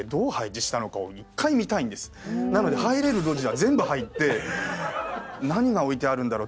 なので入れる路地は全部入って何が置いてあるんだろう？